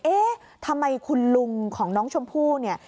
เอ๊ะทำไมคุณลุงของน้องชมพู่เนี่ย